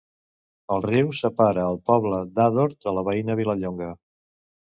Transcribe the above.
El riu separa el poble d'Ador de la veïna Vilallonga.